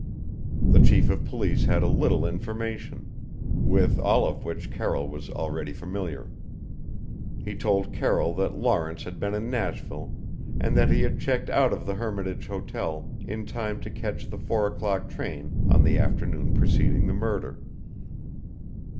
The Chief of Police had a little information with all of which Carroll was already familiar. He told Carroll that Lawrence had been in Nashville and that he had checked out of the Hermitage hotel in time to catch the four o'clock train on the afternoon preceding the murder.